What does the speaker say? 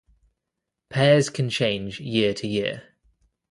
Pairs can change year to year.